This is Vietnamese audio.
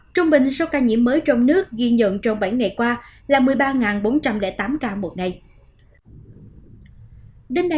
trung bình số ca nhiễm mới trong nước ghi nhận trong bảy ngày qua là một mươi ba